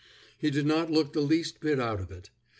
He did not look the least bit out of it.